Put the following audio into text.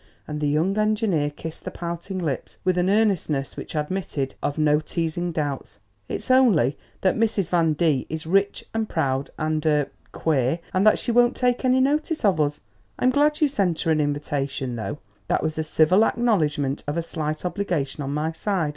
And the young engineer kissed the pouting lips with an earnestness which admitted of no teasing doubts. "It's only that Mrs. Van D. is rich and proud and er queer, and that she won't take any notice of us. I'm glad you sent her an invitation, though; that was a civil acknowledgment of a slight obligation on my side.